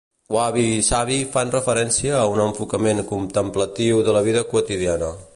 Wabi i sabi fan referència a un enfocament contemplatiu de la vida quotidiana.